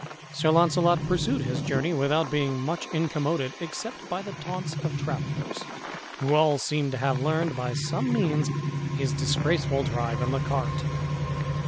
Sir Launcelot pursued his journey, without being much incommoded except by the taunts of travellers, who all seemed to have learned, by some means, his disgraceful drive in the cart.